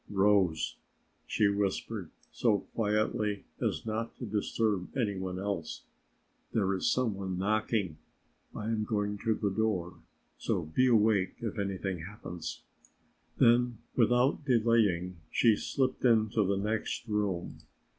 "Rose," she whispered, so quietly as not to disturb any one else. "There is some one knocking. I am going to the door, so be awake if anything happens." Then without delaying she slipped into the next room.